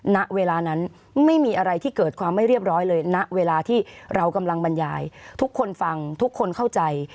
ณเวลานั้นไม่มีอะไรที่เกิดความไม่เรียบร้อยเลยณเวลาที่เรากำลังบรรยายทุกคนฟังทุกคนเข้าใจ